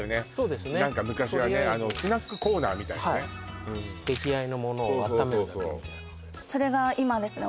とりあえず何か昔はねスナックコーナーみたいなねはい出来合いのものを温めるだけみたいなそれが今ですね